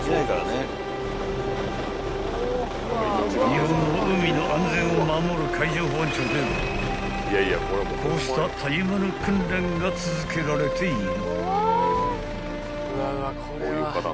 ［日本の海の安全を守る海上保安庁ではこうしたたゆまぬ訓練が続けられている］